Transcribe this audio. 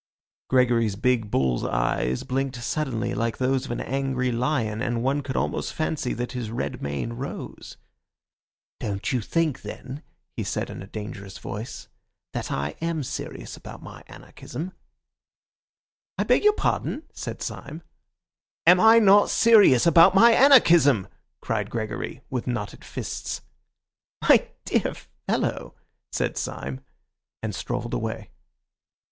Gregory's big bull's eyes blinked suddenly like those of an angry lion, and one could almost fancy that his red mane rose. "Don't you think, then," he said in a dangerous voice, "that I am serious about my anarchism?" "I beg your pardon?" said Syme. "Am I not serious about my anarchism?" cried Gregory, with knotted fists. "My dear fellow!" said Syme, and strolled away.